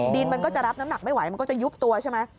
มันก็จะรับน้ำหนักไม่ไหวมันก็จะยุบตัวใช่ไหม